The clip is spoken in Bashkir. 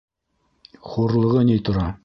Хурлығы ни тора.